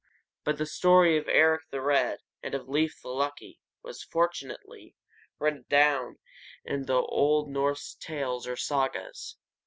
But the story of Eric the Red and of Leif the Lucky was, fortunately, written down in one of the old Norse tales, or sagas.